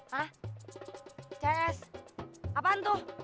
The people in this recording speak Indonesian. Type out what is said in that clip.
hah ces apaan tuh